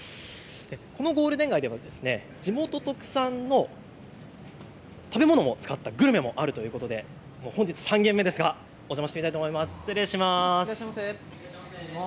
このゴールデン街では地元特産の食べ物を使ったグルメもあるということで本日３軒目、お邪魔します。